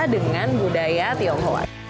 dengan budaya tionghoa